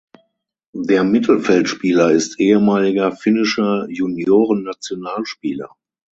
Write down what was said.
Der Mittelfeldspieler ist ehemaliger finnischer Juniorennationalspieler.